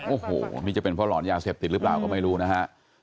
โอ้โหนี่จะเป็นเพราะหลอนยาเสพติดหรือเปล่าก็ไม่รู้นะฮะ